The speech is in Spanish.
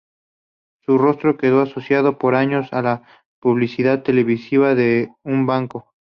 Su rostro quedó asociado por años a la publicidad televisiva de un banco.